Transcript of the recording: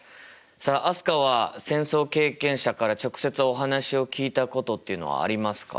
さあ飛鳥は戦争経験者から直接お話を聞いたことっていうのはありますか？